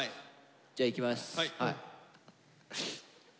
じゃあいきます。